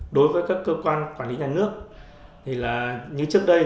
đối với các cơ quan quản lý nhà nước như trước đây